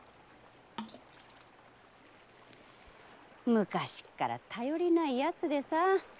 昔っから頼りない奴でさ。